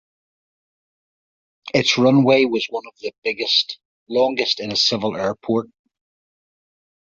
Its runway was one of the longest at a civil airport.